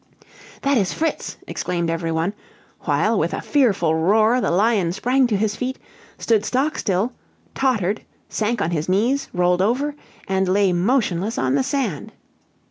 "That is Fritz!" exclaimed every one; while, with a fearful roar, the lion sprang to his feet, stood stock still, tottered, sank on his knees, rolled over, and lay motionless on the sand.